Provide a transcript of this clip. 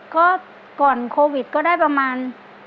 ก็ก่อนโควิดก็ได้ประมาณ